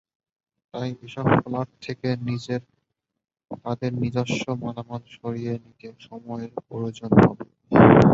তাই এসব ফ্ল্যাট থেকে তাঁদের নিজস্ব মালামাল সরিয়ে নিতে সময়ের প্রয়োজন হবে।